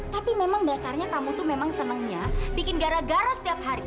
tapi memang dasarnya kamu tuh memang senangnya bikin gara gara setiap hari